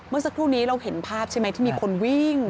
เมื่อสักครู่นี้เราเห็นภาพใช่ไหมที่มีคนวิ่ง